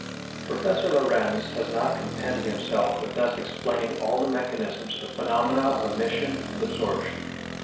Professor Lorentz has not contented himself with thus explaining all the mechanism of the phenomena of emission and absorption.